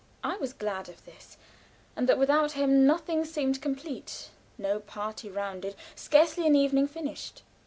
I was glad of this, and that without him nothing seemed complete, no party rounded, scarcely an evening finished.